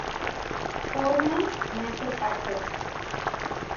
Foreman message পাঠিয়েছে।